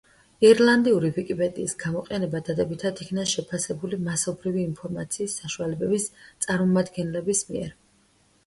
ირლანდიური ვიკიპედიის გამოჩენა დადებითად იქნა შეფასებული მასობრივი ინფორმაციის საშუალებების წარმომადგენლების მიერ.